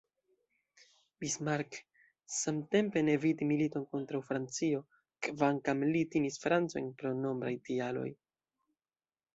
Bismarck, samtempe, ne eviti militon kontraŭ Francio, kvankam li timis Francojn pro nombraj tialoj.